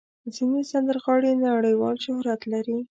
ځینې سندرغاړي نړیوال شهرت لري.